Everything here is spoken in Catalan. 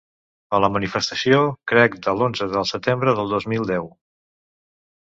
A la manifestació, crec, del l’onze de setembre de dos mil deu.